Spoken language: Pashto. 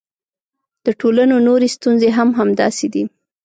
د ټولنو نورې ستونزې هم همداسې دي.